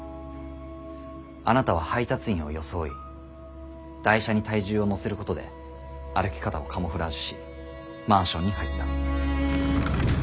あなたは配達員を装い台車に体重をのせることで歩き方をカモフラージュしマンションに入った。